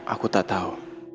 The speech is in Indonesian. aku tak tau